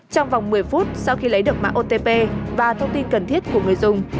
trong vòng một mươi phút sau khi lấy được mạng otp và thông tin cần thiết của người dùng